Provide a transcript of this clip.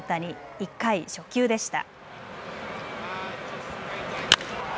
１回、初球でした。